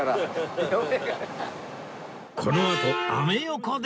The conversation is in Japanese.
このあとアメ横で